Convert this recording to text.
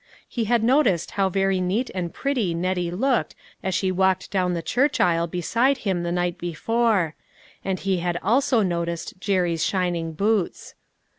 He had noticed how very neat and pretty Nettie looked as she walked down the church isle beside him the night before ; and he had also noticed Jerry's shining boots.